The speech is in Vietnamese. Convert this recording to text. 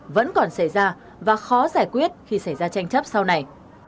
vẫn còn xảy ra và khó giải quyết khi xảy ra tranh chấp sau này